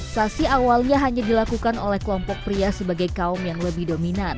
sasi awalnya hanya dilakukan oleh kelompok pria sebagai kaum yang lebih dominan